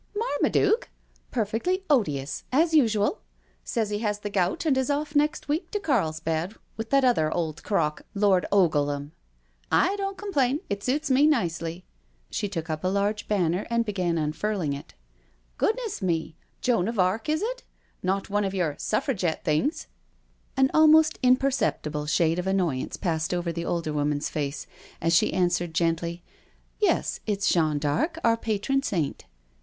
" Marmaduke? Perfectly odious, as usual. Says he has the gout and is off next week to Carlsbad with that other old crock. Lord Ogleham. I don't complain, it suits me nicely." She took up a large banner and began unfurling it. " Goodness me I Joan of Arc, is it? Not one of your Suffragette things?" AT THE week end COTTAGE 159 An almost imperceptible shade of annoyance passed over the older woman's face as she answered gently, " Yes, it's Jeanne d'Arc, our patron saint."